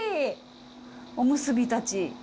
おむすびたち。